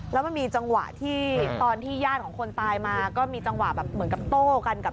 แล้วมันมีจังหวะที่ตอนที่ญาติของคนตายมาก็มีจังหวะแบบเหมือนกับโต้กันกับ